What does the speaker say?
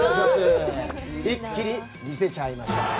一気に見せちゃいます。